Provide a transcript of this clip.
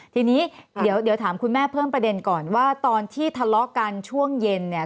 ทีนี้เดี๋ยวถามคุณแม่เพิ่มประเด็นก่อนว่าตอนที่ทะเลาะกันช่วงเย็นเนี่ย